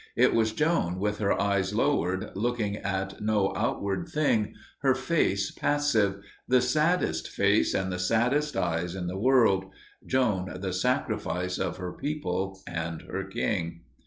It was Joan with her eyes lowered, looking at no outward thing, her face passive the saddest face and the saddest eyes in the world Joan the sacrifice of her people and her king.